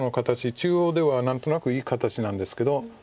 中央では何となくいい形なんですけど。